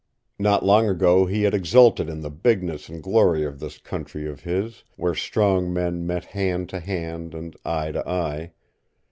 Not long ago he had exulted in the bigness and glory of this country of his, where strong men met hand to hand and eye to eye.